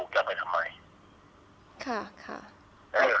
คุณพ่อได้จดหมายมาที่บ้าน